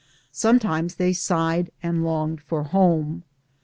Sometimes they sighed and longed for home.